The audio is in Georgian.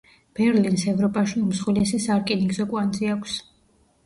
ბერლინს ევროპაში უმსხვილესი სარკინიგზო კვანძი აქვს.